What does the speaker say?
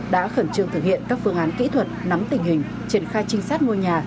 đã khẩn trương thực hiện các phương án kỹ thuật nắm tình hình triển khai trinh sát ngôi nhà